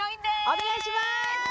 お願いします。